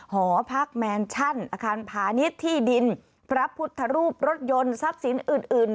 หอพักแมนชั่นอาคารพาณิชย์ที่ดินพระพุทธรูปรถยนต์ทรัพย์สินอื่น